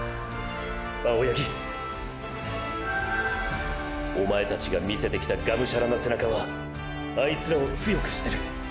青八木おまえたちが見せてきたがむしゃらな背中はあいつらを強くしてる。